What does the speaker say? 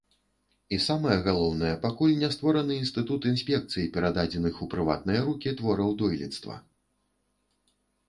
І самае галоўнае, пакуль не створаны інстытут інспекцыі перададзеных у прыватныя рукі твораў дойлідства.